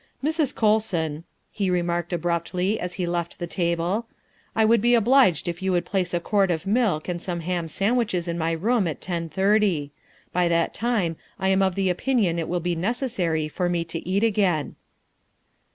" Mrs. Colson," he remarked abruptly as he left the table, " I would be obliged if you would place a quart of milk and some ham sandwiches in my room at ten thirty. By that time I am of the opinion it will be necessary for me to eat again."